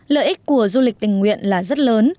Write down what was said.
lợi ích của du lịch tình nguyện là rất lớn